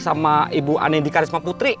sama ibu anindika risma putri